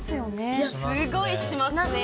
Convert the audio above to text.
いやすっごいしますね！